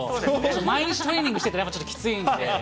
毎日トレーニングしてるのもちょっときついんで。